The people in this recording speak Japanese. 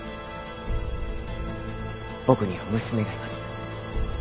僕には娘がいます。